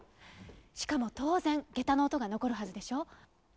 しかも当然下駄の音が残るはずでしょ。